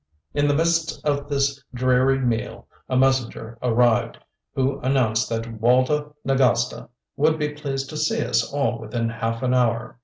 In the midst of this dreary meal a messenger arrived, who announced that the Walda Nagasta would be pleased to see us all within half an hour.